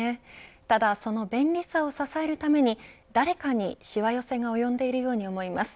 ただ、その便利さを支えるために誰かにしわ寄せが及んでいるように思います。